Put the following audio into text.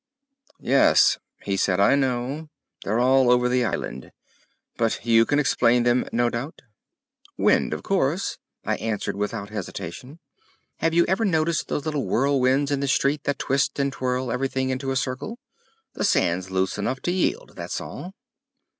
"Yes," he said, "I know. They're all over the island. But you can explain them, no doubt!" "Wind, of course," I answered without hesitation. "Have you never watched those little whirlwinds in the street that twist and twirl everything into a circle? This sand's loose enough to yield, that's all."